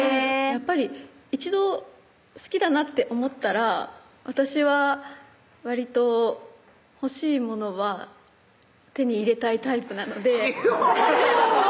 やっぱり一度好きだなって思ったら私はわりと欲しいものは手に入れたいタイプなのでおぉ！